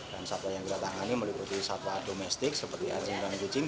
dan satwa yang kita tangani meliputi satwa domestik seperti anjing dan kucing